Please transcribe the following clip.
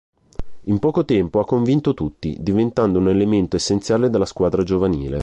In poco tempo ha convinto tutti, diventando un elemento essenziale della squadra giovanile.